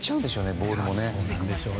ボールもね。